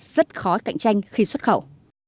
rất khó cạnh tranh khi xuất khẩu